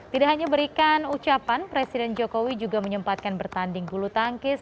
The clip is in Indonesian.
tidak hanya berikan ucapan presiden jokowi juga menyempatkan bertanding bulu tangkis